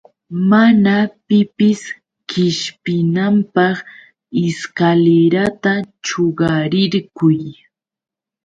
Mana pipis qishpinanpaq ishkalirata chuqarirquy.